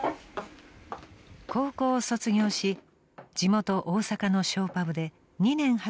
［高校を卒業し地元大阪のショーパブで２年働いて上京］